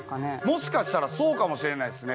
もしかしたらそうかもしれないですね。